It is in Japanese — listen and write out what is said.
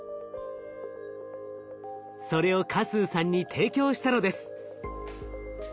それを嘉数さんに提供したのです。